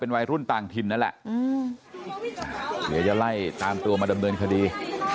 เป็นวัยรุ่นต่างทินนั่นแหละเหลือจะไล่ตามตัวมาดำเนินคดี